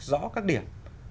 rõ các điểm